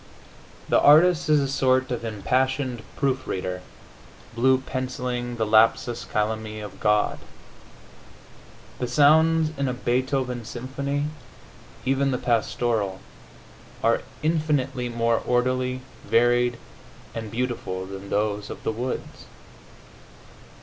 The artist is a sort of impassioned proof reader, blue pencilling the lapsus calami of God. The sounds in a Beethoven symphony, even the Pastoral, are infinitely more orderly, varied and beautiful than those of the woods.